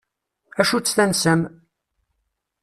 Acu-tt tansa-m?